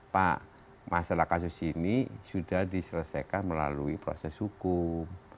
pak masalah kasus ini sudah diselesaikan melalui proses hukum